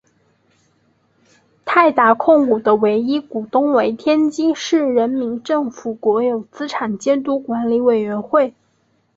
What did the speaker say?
泰达控股的唯一股东为天津市人民政府国有资产监督管理委员会。